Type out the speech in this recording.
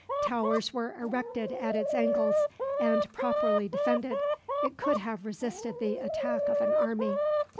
Towers were erected at its angles and, properly defended, it could have resisted the attack of an army.